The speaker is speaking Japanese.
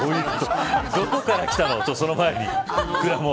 どこから来たの、その前に。